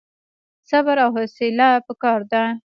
صبر او حوصله پکار ده